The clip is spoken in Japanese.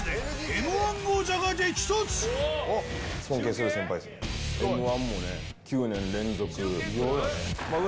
Ｍー１もね、９年連続。